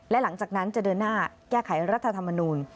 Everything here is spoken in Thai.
และหลังจากนั้นจะเดินหน้าแก้ไขรัฐธรรมนูล